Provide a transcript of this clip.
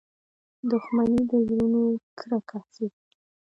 • دښمني د زړونو کرکه زیږوي.